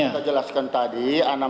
yang kita jelaskan tadi